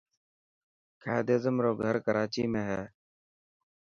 قائد اعظم رو گھر ڪراچي ۾ هي.